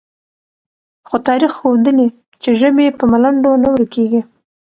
خو تاریخ ښودلې، چې ژبې په ملنډو نه ورکېږي،